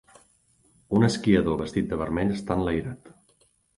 Un esquiador vestit de vermell està enlairat.